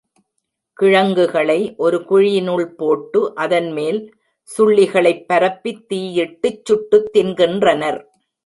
கிழங்குகளை ஒரு குழியினுள் போட்டு, அதன்மேல் சுள்ளிகளைப் பரப்பித் தீயிட்டுச் சுட்டுத் தின்கின்றனர்.